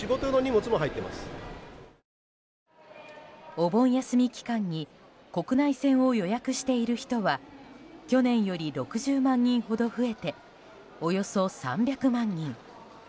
お盆休み期間に国内線を予約している人は去年より６０万人ほど増えておよそ３００万人。